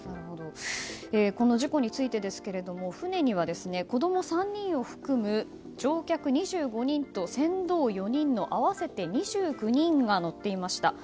この事故についてですが船には、子供３人を含む乗客２５人と船頭４人の合わせて２９人が乗っていました。